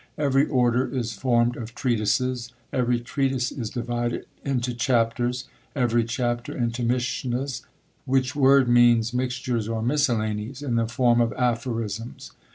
Every order is formed of treatises; every treatise is divided into chapters, every chapter into mishnas, which word means mixtures or miscellanies, in the form of aphorisms.